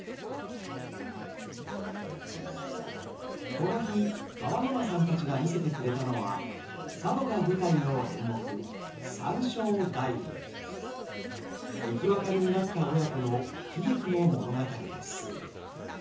この日川野名さんたちが見せてくれたのは生き別れになった親子の悲劇の物語です。